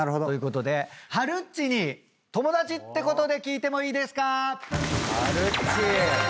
ということではるっちに友達ってことで聞いてもいいですか？